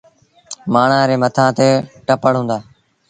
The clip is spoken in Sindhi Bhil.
مآڻهآن ري مٿآن تي ٽپڙ هُݩدآ۔